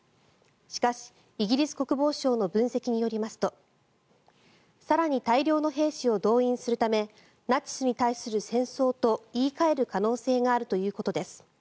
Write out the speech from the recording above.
しかし、イギリス国防省の分析によりますと更に大量の兵士を動員するためナチスに対する戦争と言い換える可能性があるということです。